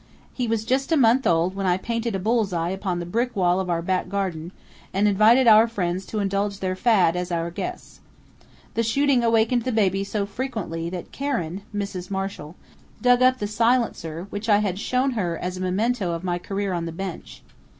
He was just a month old when I painted a bull's eye upon the brick wall of our back garden and invited our friends to indulge their fad as our guests. The shooting awakened the baby so frequently that Karen Mrs. Marshall dug up the silencer, which I had shown her as a memento of my career on the bench.